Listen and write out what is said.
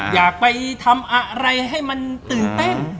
อยากไปทำอะไรให้มันตื่นเต้น